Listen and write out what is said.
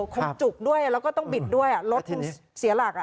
คงจุกด้วยแล้วก็ต้องบิดด้วยรถคงเสียหลัก